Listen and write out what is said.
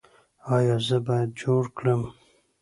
ایا زه باید جوړ کړم؟